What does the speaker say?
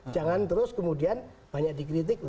jangan terus kemudian banyak dikritik